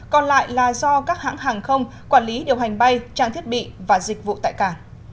còn lại là do các hãng hàng không quản lý điều hành bay trang thiết bị và dịch vụ tại cả